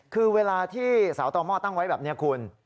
คือเวลาที่สาวต่อหม้อตั้งไว้แบบนี้คุณ